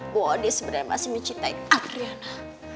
bahwa dia sebenarnya masih mencintai adriana